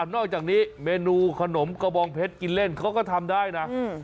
นอกจากนี้เมนูขนมกระบองเพชรกินเล่นเขาก็ทำได้นะ